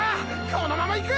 このままいく！！